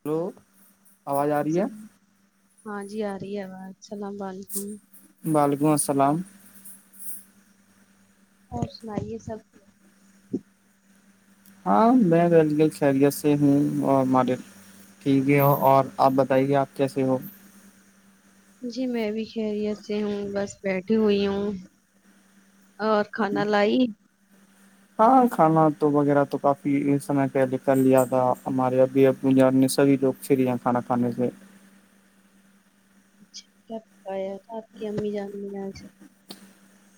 Hello آواز آ رہی ہے سلام- ہاں جی آ رہی ہے آواز السلام علیکم علیکم السلام [unintelligible] اور سنائیے سب ہاں میں رلیل خیریت سے ہوں اور مارد ٹھیک ہے ہو اور آپ بتائیے آپ کیسے ہو جی میں بھی خیریت سے ہوں بس بیٹھی ہوئی ہوں اور کھانا لائی ہاں کھانا تو وغیرہ تو کافی سمے پہلے کر لیا تھا ہمارے ابھی ابان نے سبھی لوگ چھر ہیں کھانا کھانے سے اچھا کیا پکایا آپ کی امی جان م جج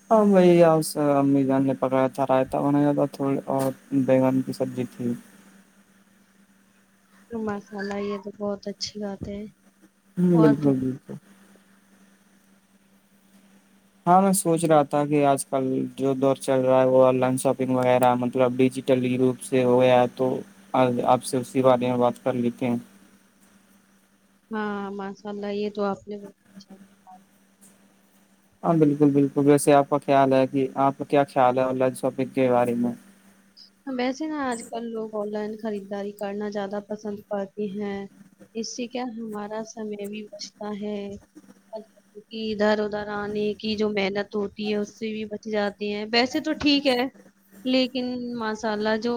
ہاں ب آ سے امیزان نے پکڑا تھا رائتا بنا جات تھا تھڑی اور بیگن کی سبزی تھی مسالہ یہ تو بہت اچھی بات ہے ہوں اور بالکل بالکل ہاں میں سوچ رہا تھا کہ آج کل جو دور چل رہا ہے وہ آن لائن شاپنگ وغیرہ مطلب ڈیجیٹل ی روپ سے ہویا ہے تو آپ سے اسی بارے میں بات کر لیتے ہیں ہاں ماشاء اللہ یہ تو آپ نے ہاں بالکل بالکل ویسے آپ کا خیال ہے کہ آپ کا کیا خیال ہے اائن شاپنگ کے بارے میں کہا۔ ویسے نہا آج کل لگ ال ہیں خریداری کرنا زیادہ پسند کرتے ہیں اس سے کیا ہمارا سمے بھی بچتا ہے ادھر ادھر آنے کی جو محنت ہوتی ہے اس سے بھی بچ جاتی ہے ویسے تو ٹھیک ہے لیکن مسالہ جو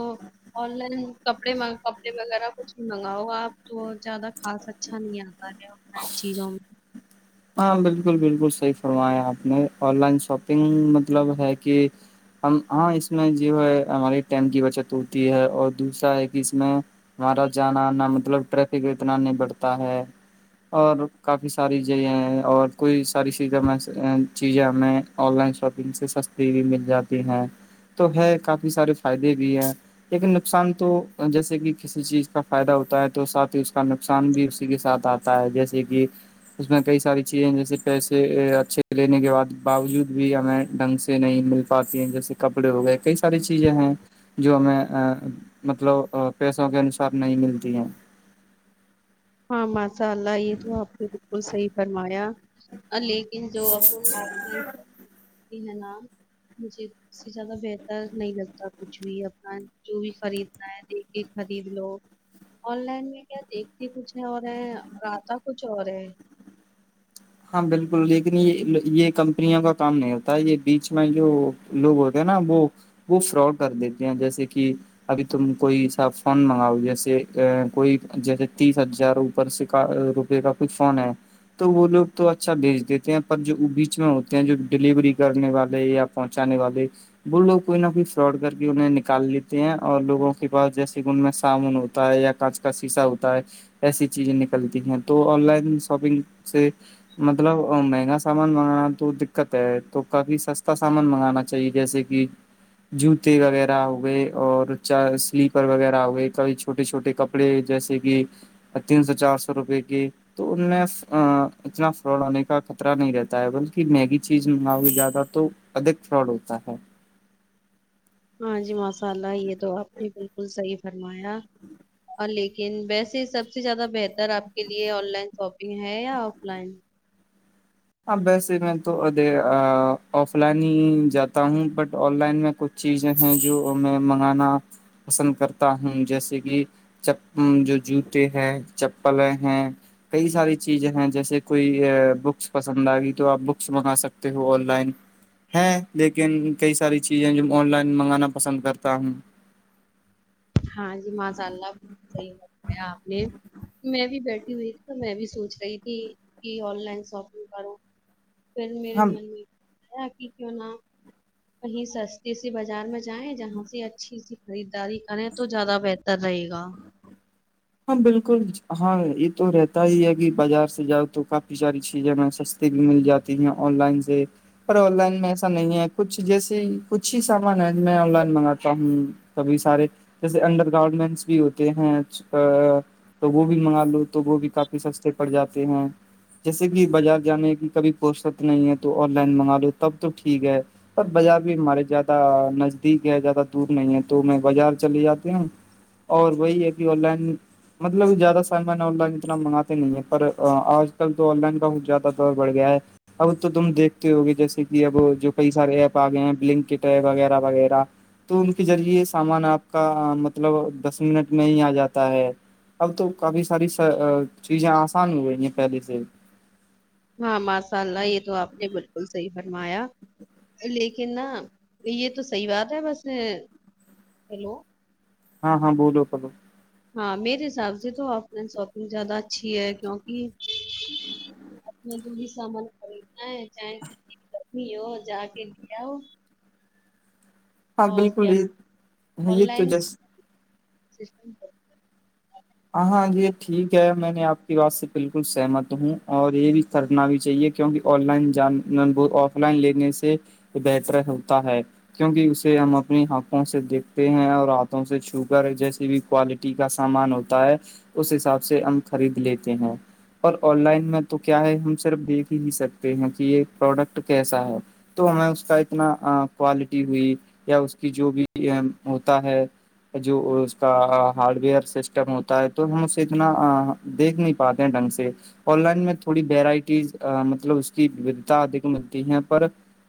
آن لائن کپڑے کپڑے وغیرہ کچھ بھی منگاؤ گا آپ تو زیادہ خاص اچھا نہیں آتا ہے لائن چیزوں میں ہاں بالکل بالکل صحیح فرمایا آپ نے آن لائن شاپنگ مطلب ہے کہ ہم ہاں اس میں جو ہے ہماری ٹائم کی بچت ہوتی ہے اور دوسرا ہے کہ اس میں ہمارا جانا نہ مطلب ٹریفک اتنا نہیں بڑھتا ہے اور کافی ساری اور کوئی [unintelligible] ساری چیزیں میں [unintelligible] چیزیں ہمیں آن لائن شاپنگ سے سستی بھی مل جاتی ہیں تو ہے کافی سارے فائدے بھی ہیں لیکن نقصان تو جیسے کہ کسی چیز کا فائدہ ہوتا ہے تو ساتھ ہی اس کا نقصان بھی اسی کے ساتھ آتا ہے جیسے کہ [unintelligible] اس میں کئی ساری چیزیں ہیں جیسے پیسے اچھے لینے کےع باوجود بھی ہمیں ڈھنگ سے نہیں مل پاتی ہیں جیسے کپڑے ہو گئے کئی ساری چیزیں ہیں جو ہمیں مطلب پیسوں کے انوسار نہیں ملتی ہیں [unintelligible] [unintelligible] ہاں م [unintelligible] مسالہ یہ تو آپ کے بالکل صحیح [unintelligible] فرمایا [unintelligible] لیکن جو اپ آف لائن [unintelligible] نا مجھے اس سے زیادہ بہتر نہیں لگتا کچھ بھی اپنا جو بھی خریدنا ہے دیکھ کے خرید لو آن لائن میں کیا دیکھ [unintelligible] کچھ ہے اور ہے رتا کچھ اور ہے [unintelligible] ہاں بالکل لیکن یہ یہ کمپنیوں کا کام نہیں ہوتا ہے یہ بیچ میں جو لوگ ہوتے ہیں نا وہ وہ فراڈ کر دیتے ہیں جیسے کہ ابھی تم کوئی سا فون منگاؤ جیسے کوئی جیسے تیس ہزار اوپر سے روپے کا کوئی فون ہے تو وہ لوگ [unintelligible] تو اچھا بھیج دیتے ہیں پر جو وہ بیچ میں ہوتے ہیں جو ڈیلیوری کرنے والے یا پہنچانے والے وہ لوگ کوئی نہ کوئی فراڈ کر کے انہیں نکال لیتے ہیں اور لوگوں کے پاس جیسے کہ ان میں سامن ہوتا ہے یا کانچ کا سیسا ہوتا ہے ایسی چیزیں نکلتی ہیں تو آن لائن شاپنگ سے مطلب مہنگا سامان منگانا تو دقت ہے تو کافھی سستا سامان منگانا چاہیے جیسے کہ جوتے وغیرہ ہوئے اور سلیپر وغیرہ ہوئے کبھی چھوٹے چھوٹے کپڑے جیسے کہ تین سو چار سو روپئے کے تو ان میں اتنا ف آنے کا خطرہ نہیں رہتا ہے بلکہ میگی چیز منگا ہو جیادا تو ادھک فراڈ ہوتا ہے [unintelligible] ہاں جی ماسال اللہ یہ تو آپ نے بالکل صحیح فرمایا اور لیکن ویسے سب سے زیادہ بہتر آپ کے لیے آن لائن شاپنگ ہے یا آف لائن [unintelligible] ہاں ویسے میں تو ا آف لائن ہی جاتا ہوں بٹ آن لائن میں کچھ چیزیں ہیں جو میں منگانا پسند کرتا ہوں جیسے کہ جو جوتے ہیں چپلیں ہیں کئی ساری چیزیں ہیں جیسے کوئی بک پسند آئے گی تو آپ بکس منگا سکتے ہو آن لائن ہے لیکن کئی ساری چیزیں جو آن لائن منگانا پسند کرتا ہوں ہاں جی ماشاء اللہ صحیح بتایا آپ نے میں بھی بیٹھی ہوئی تھی تو میں بھی سوچ رہی تھی کہ آن لائن شاپنگ کروں [unintelligible] پل میرے ہاں من میں [unintelligible] کہ کیوں نہ کہیں سستے سےی بازار میں جائیں جہاں سے اچھی سی خریداری کریں [unintelligible] تو زیادہ بہتر رہے گا ہاں بالکل ہاں یہ تو رہتا ہی ہے کہ بازار سے جاؤ تو کافی ساری چیزیں میں سستی بھی مل جاتی ہیں آن لائن سے پر آن لائن میں ایسا نہیں ہے کچھ جیسے کچھ ہی سامان ہے میں آن لائن منگاتا ہوں کبھی سارے جیسے انڈر گارمنٹس بھی ہوتے ہیں تو وہ بھی منگا لو تو وہ بھی کافی سستے پڑ جاتے ہیں جیسے کہ بازار جانے کی کبھی فرصت نہیں ہے تو آن لائن منگا لو تب تو ٹھیک ہے پر بازار بھی ہمارے زیادہ نزدیک ہے زیادہ دور نہیں ہے تو میں بازار چلے جاتے ہ اور وہی ہے کہ آن لائن مطلب زیادہ سامان آن لائن اتنا منگاتے نہیں ہیں پر آج کل تو آن لائن کا بہت زیادہ دور بڑھ گیا ہے اب تو تم دیکھتے ہو گے جیسے کہ اب جو کئی سارے ایپ آ گئے ہیں بلنک کٹ ہے وغیرہ وغیرہ تو ان کے ذریعے سامان آپ کا مطلب دس منٹ میں ہی آ جاتا [unintelligible] ہے اب تو کافی ساری چیزیں آسان ہو گئی ہیں پہلے سے [unintelligible] ہاں ماشاء اللہ یہ تو آپ نے بالکل صحیح فرمایا لیکن ن یہ تو صحیح بات ہے بس ہیلو ہاں ہاں بہل کل ہاں میرے حساب سے تو آف لائن شاپنگ زیادہ اچھی ہے کیوںک اپنے کو بھی سامان خریدنا ہے چاہے ک کرمی ہو جا کے گیا ہو ہاں بالکل یہ آن یہ تو لائن جس سسٹم ہاں ہاں یہ ٹھیک ہے میں نے آپ کی بات سے بالکل سہمت ہوں اور یہ بھی کرنا بھی چاہیے کیونکہ آن لائن جان آف لائن لینے سے بہتر ہوتا ہے کیونکہ اسے ہم اپنی ہنکھوں سے دیکھتے ہیں اور ہاتھوں سے چوگر جیسی بھی کوالٹی کا سامان ہوتا اس حساب سے ہم خرید لیتے ہیں اور آن لائن میں تو کیا ہے ہم صرف دیکھ ہی سکتے ہیں کہ یہ پروڈکٹ کیسا ہے تو ہمیں اس کا اتنا کوالٹی ہوئی یا اس کی جو بھی ہوتا ہے جو اس کا ہارڈ ویئر سسٹم ہوتا ہے تو ہم اسے اتنا دیکھ نہیں پاتے ہیں ڈھنگ سے آن لائن میں تھوڑی ویرائٹیز مطلب اس کیھتا ادھک ملتی ہے پر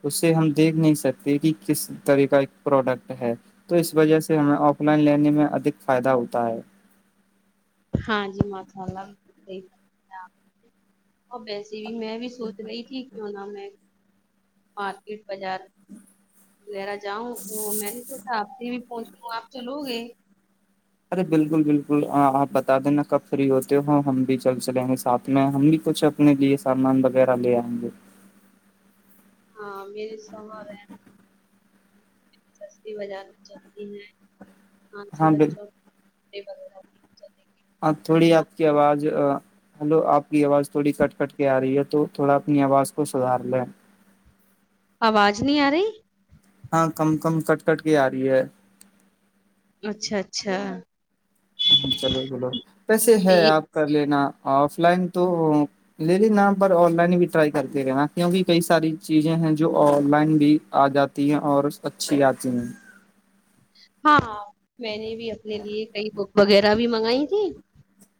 اسے ہم دیکھ نہیں سکتے کہ کس طرح کا ایک پروڈکٹ ہے تو اس وجہ سے ہمیں آف لائن لینے میں ادھک فائدہ ہوتا ہے ہاں جی مساء اللہ ایک اور ویسے بھی میں بھی سوچ رہی تھی کیوں نہ میں مارکیٹ بازار لیرا جاؤں تو میں نہیں سوچا بھی پہنچوں آپ چلو گے ارے بالکل بالکل آپ بتا دینا کب فری ہوتے ہو ہم بھی چل چلیں گے ساتھ میں ہم بھی کچھ اپنے لیے سامان وغیرہ لے آئیں گے ہاں مری سوو رہ ہیں سستی بجار میں سلتی ہیں ہانسیی ہاں بالکل بچو [inaudible] آ تھوڑی آپ کی آواز ہلو آپ کی آواز تھوڑی کٹ کٹ کے آ رہی ہے تو تھوڑا اپنی آواز کو سدھار لیں آواز نہیں آ رہی ہاں کم کم کٹ کٹ کے آ رہی ہے اچھا اچھا چلو چلو ویسے ہے یہ آپ کر لینا آف لائن تو لے لینا پر آن لائن بھی ٹرائی کرتے رہناا کیونکہ کئی ساری چیزیں ہیں جو آن لائن بھی آ جاتی ہیں اور اچھی آتی ہیں ہاں میں نے بھی اپنے لیے کئی بک وغیرہ بھی منگائی تھی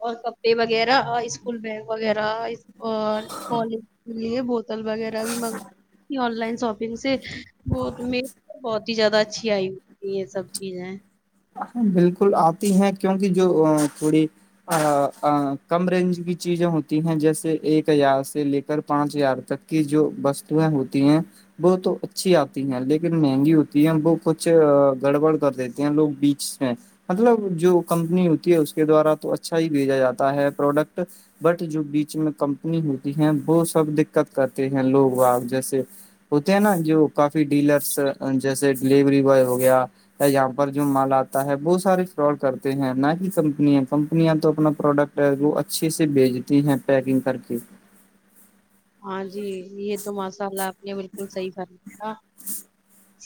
اور کپڑے وغیرہ اسکول بگ وغیرہ [inaudible] اور پالج یہ بہت وغیرہ بھی منگ آن لائن شاپنگ سے وہ بہ زیاد اچھی آئی یہ سب چیز ہیں ہ بالکل آتی ہیں کیوںک جو تھوڑی کم رینج کی چیزیں ہوتی ہیں جیسے ایک ہزار سے لے کر پانچ ہزار تک کی جو وستویں ہوتی ہیں وہ تو اچھی آتی ہیں لیکن مہنگی ہوتی ہے وہ کچھ گڑبڑ کر دیتے ہیں لوگ بیچ میں مطلب جو کمپنی ہوتی ہے اس کے دوارا تو اچھا ہی بھیجا جاتا ہے پروڈکٹ بٹ جو بیچ میں کمپنی ہوتی ہے وہ سب دقت کرتے ہیں لوگ آگ جیس ہوتے ہیں نا جو کافی ڈیلرس جیسے ڈیلیوری بوائے ہو گیا یہاں پر جو مال آتا ہے وہ سارے فراڈ کرتے ہیں نہ کی کمپنیاں کمپنیاں تو اپنا پروڈکٹ ہے وہ اچھے سے بھیجتی ہیں پیکنگ کر کے ہاں جی یہ تو ماشاء اللہ آپ نے بالکل صحیح فرم تھا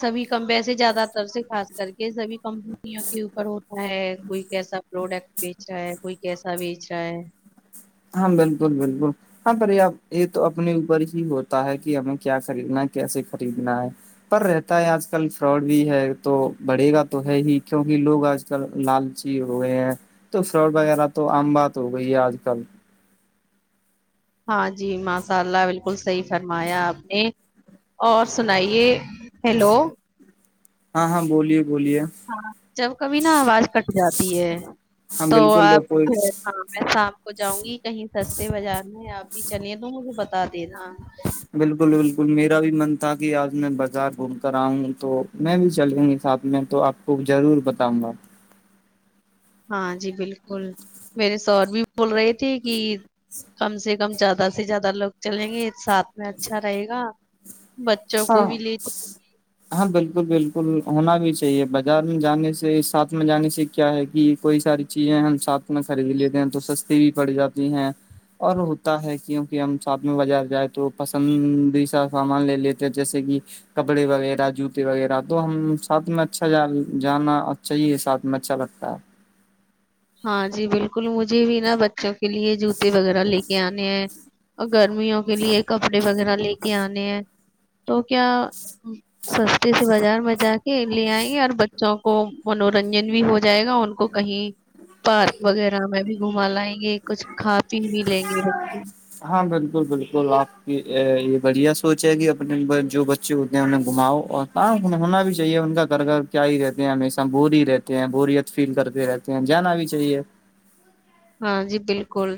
سبھی کم ویسے زیادہ تر سے خاص کر کے سبھی کم دنیا کے اوپر ہو ہے کوئی کیسا پروڈکٹ بیچ رہا ہے کوئی کیسا بیچ رہا ہے ہاں بالکل بالکل ہاں پر ب یہ تو اپنے اوپر ہی ہوتا ہے کہ ہمیں کیا خریدنا ہے کیسے خریدنا ہے پر رہتا ہے آج کل فراڈ بھی ہے تو بڑھے گا تو ہے ہی کیوںکہ لوگ آج کل لالچی ہو گئے ہیں تو فراڈ وغیرہ تو آم بات ہو گئی ہے آج کل [unintelligible] ہاں جی ماشاء اللہ بالکل صحیح فرمایا آپ نے اور سنائیے ہیلو ہاں ہاں بولیے بولیے ہاں جب کبھی نا آواز کٹ جاتی ہے ہاں تو بالکل لوگ آپ کوئی ہاں میں کو جاؤں گی کہیں سستے بازار میں آپ ہی چلے تو مجھے بتا دےینا بالکل بالکل میرا بھی من تھا کہ آج میں بازار گھوم کر آؤں تو میں بھی چلوں گی ساتھ میں تو آپ کو ضرور بتاؤں گا ہاں جی بالکل میرے سور بھی بول رہے تھے کہ کم سے کم زیادہ سے زیادہ لوگ چلیں گے ساتھ میں اچھا رہے گا بچوں کو ہاں بھی لے ہاں بالکل بالکل ہونا بھی چاہیے بازار میں جانے سے ساتھ میں جانے سے کیا ہے کہ کوئی ساری چیزیں ہم ساتھ میں خرید لیتے ہیں تو سستی بھی پڑ جاتی ہے اور ہوتا ہے کیوںکہ ہم ساتھ میں بازار جائے تو پسندی سا سامان لے لیتے [unintelligible] جیسے کہ کپڑے وغیرہ جوتے وغیرہ تو ہم ساتھ میں اچھا جانا چاہ ہی ہے ساتھ میں اچھا لگتا ہے ہاں جی بالکل مجھے بھی نا ب بچوں کے لیے جوتے وغیرہ ل کے آنے ہیں اور گرمیوں کے لیے کپڑے وغیرہ لے کے آنے ہیں تو کیا سستے سے بازار میں جا کے لے آئیں گے اور بچوں کو منورنجن بھی ہو جائے گا ان کو کہیں پارک وغیرہ میں بھی گھما لائیں گے کچھ کھا پی بھی لیں گے بچے ہاں بالکل بالکل آپ کی یہ بڑھیا سوچ ہے کہ اپنے جو بچے ہوتے ہیں انہیں گھماؤ اور کہاں ہونا بھی چاہیے ان کا گھر گھر کیا ہی رہتے ہیں ہمیشہ بور ہی رہتے ہیں بوریت فیل کرتے رہتے ہیں جانا بھی چاہیے [unintelligible] ہاں جی بالکل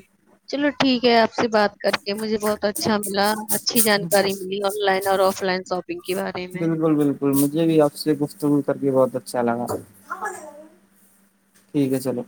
چلو ٹھیک ہے آپ سے بات کر کے مجھے بہت اچھا ملا اچھی جانکاری ملی آن لائن اور آف لائن شاپنگ کے بارے میں بالکل بالکل مجھے بھی آپ سے گفتگل کر کے بات ب اچھا لگا ٹھیک ہے چلو